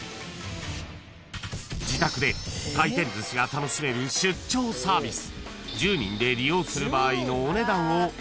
［自宅で回転寿司が楽しめる出張サービス］